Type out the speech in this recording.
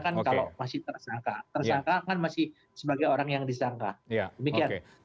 karena kan kalau masih tersangka tersangka kan masih sebagai orang yang disangka demikian